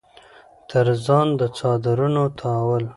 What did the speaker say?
تر ځان د څادرنو تاوول